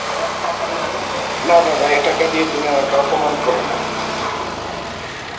না বাবা, এ টাকা দিয়ে তুমি আমাকে অপমান কোরো না।